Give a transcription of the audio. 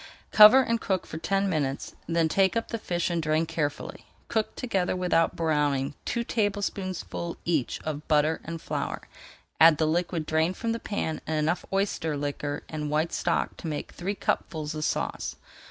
Cover and cook for ten minutes, then take up the fish and drain carefully. Cook together without browning, two tablespoonfuls each of butter and flour, add the liquid [Page 391] drained from the pan and enough oyster liquor and white stock to make three cupfuls of sauce.